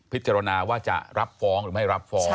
พิจารณาว่าจะรับฟ้องหรือไม่รับฟ้อง